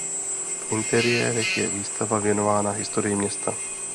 V interiérech je výstava věnovaná historii města.